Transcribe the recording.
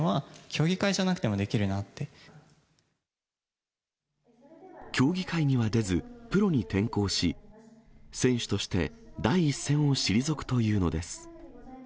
競技会には出ず、プロに転向し、選手として第一線を退くというのです。